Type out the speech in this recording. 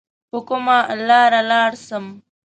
په کومه لار لاړ سم؟